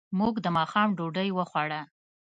موږ د ماښام ډوډۍ وخوړه.